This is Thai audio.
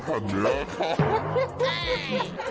สุดใหญ่มาเก่ง